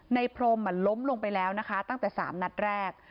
พรมล้มลงไปแล้วนะคะตั้งแต่๓นัดแรก